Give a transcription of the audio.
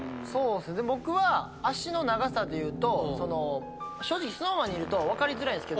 僕は脚の長さでいうと正直ＳｎｏｗＭａｎにいると分かりづらいんですけど。